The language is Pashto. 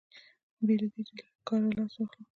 بې له دې چې له کاره لاس واخلم.